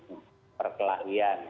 kalangan kelompoknya itu